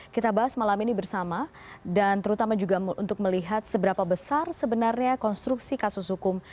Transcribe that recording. kita bahas malam ini bersama dan terutama juga untuk melihat seberapa besar sebenarnya konstruksi kasus hukum